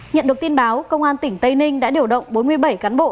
nhận được tin báo công an tỉnh tây ninh đã điều động bốn mươi bảy cán bộ